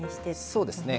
そうですね。